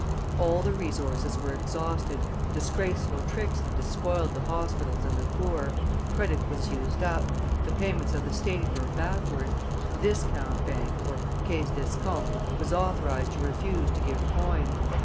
All the resources were exhausted, disgraceful tricks had despoiled the hospitals and the poor; credit was used up, the payments of the State were backward; the discount bank (caisse d'escompte) was authorized to refuse to give coin.